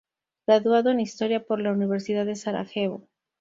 Graduado en Historia por la Universidad de Sarajevo.